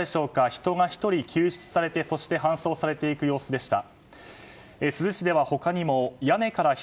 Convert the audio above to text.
人が１人救出されてそして搬送されていく様子でした。